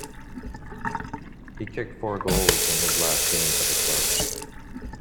He kicked four goals in his last game for the club.